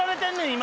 今！